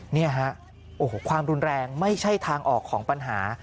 นี่ฮะโอ้โหความรุนแรงไม่ใช่ทางออกของปัญหา